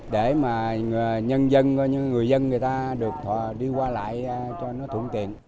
để mà nhân dân người dân người ta được đi qua lại cho nó thưởng tiện